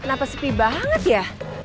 kenapa sepi banget ya